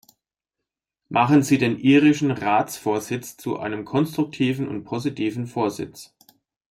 Machen Sie den irischen Ratsvorsitz zu einem konstruktiven und positiven Vorsitz.